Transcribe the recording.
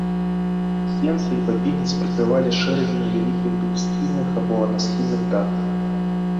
Сенцы і бабінец прыкрывалі шэрагі невялікіх двухсхільных або аднасхільных дахаў.